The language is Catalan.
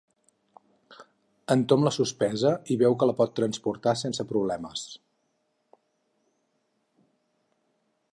El Tom la sospesa i veu que la pot transportar sense problemes.